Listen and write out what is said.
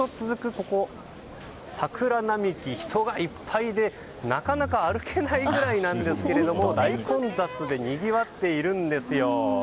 ここ桜並木は人がいっぱいで、なかなか歩けないぐらいなんですけれども大混雑でにぎわっているんですよ。